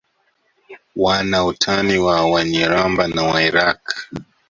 Wana utani na Wanyiramba na Wairaqw